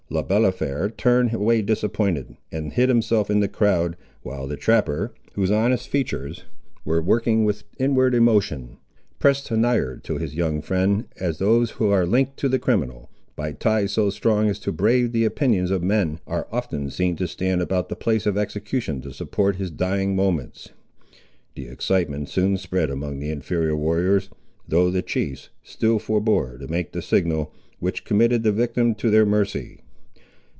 Le Balafré turned away disappointed, and hid himself in the crowd, while the trapper, whose honest features were working with inward emotion, pressed nigher to his young friend, as those who are linked to the criminal, by ties so strong as to brave the opinions of men, are often seen to stand about the place of execution to support his dying moments. The excitement soon spread among the inferior warriors, though the chiefs still forbore to make the signal, which committed the victim to their mercy.